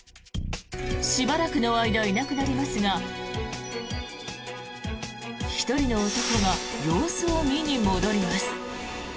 しばらくの間いなくなりますが１人の男が様子を見に戻ります。